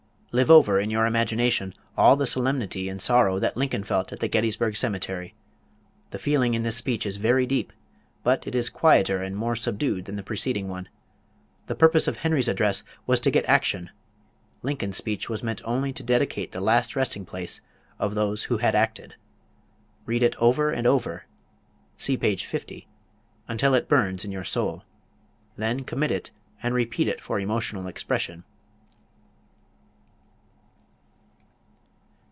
2. Live over in your imagination all the solemnity and sorrow that Lincoln felt at the Gettysburg cemetery. The feeling in this speech is very deep, but it is quieter and more subdued than the preceding one. The purpose of Henry's address was to get action; Lincoln's speech was meant only to dedicate the last resting place of those who had acted. Read it over and over (see page 50) until it burns in your soul. Then commit it and repeat it for emotional expression.